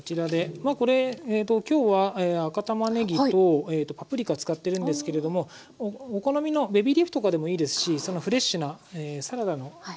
まあこれ今日は赤たまねぎとパプリカ使ってるんですけれどもお好みのベビーリーフとかでもいいですしそのフレッシュなサラダのお野菜を使っても大丈夫です。